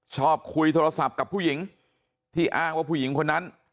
ชอบคุยโทรศัพท์กับผู้หญิงที่อ้างว่าผู้หญิงคนนั้น